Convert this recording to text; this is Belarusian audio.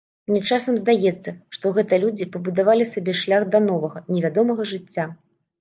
Мне часам здаецца, што гэта людзі пабудавалі сабе шлях да новага, невядомага жыцця.